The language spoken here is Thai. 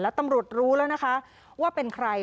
แล้วตำรวจรู้แล้วนะคะว่าเป็นใคร